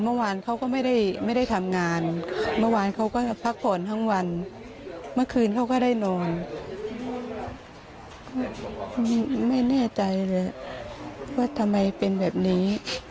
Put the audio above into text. ไม่แน่ใจเลยว่าทำไมเป็นแบบนี้